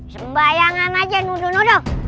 sembayangan aja nudu nudu